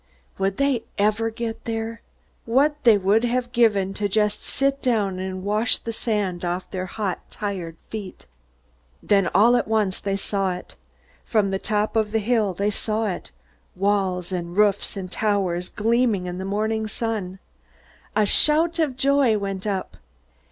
Would they ever get there? What they would have given just to sit down and wash the sand off their hot, tired feet! Then all at once they saw it. From the top of the hill they saw it, walls and roofs and towers gleaming in the morning sun. A shout of joy went up.